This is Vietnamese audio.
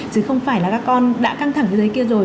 chứ không phải là các con đã căng thẳng dưới kia rồi